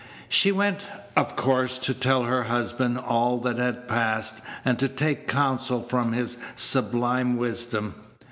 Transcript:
She went, of course, to tell her husband all that had passed, and to take counsel from his sublime wisdom.